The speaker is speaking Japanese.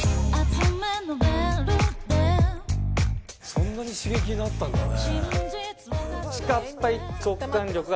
そんなに刺激になったんだね。